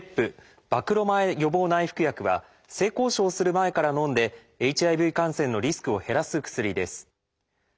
は性交渉をする前からのんでＨＩＶ感染のリスクを減らす薬です。